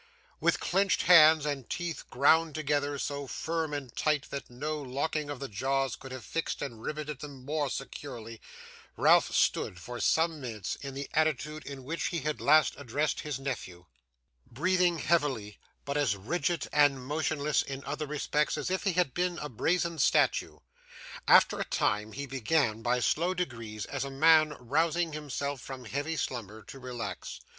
With clenched hands, and teeth ground together so firm and tight that no locking of the jaws could have fixed and riveted them more securely, Ralph stood, for some minutes, in the attitude in which he had last addressed his nephew: breathing heavily, but as rigid and motionless in other respects as if he had been a brazen statue. After a time, he began, by slow degrees, as a man rousing himself from heavy slumber, to relax.